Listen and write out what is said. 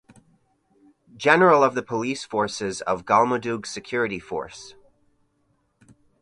General of the Police Forces of Galmudug Security Force.